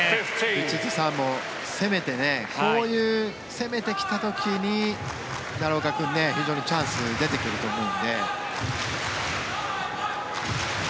ヴィチットサーンも攻めてこういう攻めてきた時に奈良岡君、非常にチャンス出てくると思うので。